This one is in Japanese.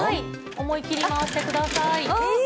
思い切り回してください。